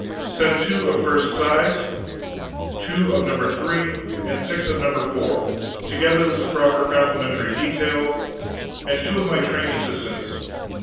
Pxxp. Send two of first size, two of No. 3, and six of No. 4, together with the proper complementary details and two of my trained assistants."